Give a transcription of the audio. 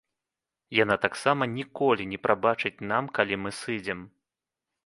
Яна таксама ніколі не прабачыць нам калі мы сыдзем.